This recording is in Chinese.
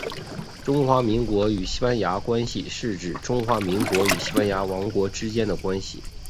中华民国与西班牙关系是指中华民国与西班牙王国之间的关系。